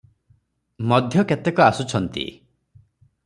ମଧ୍ୟ କେତେକ ଆସୁଛନ୍ତି ।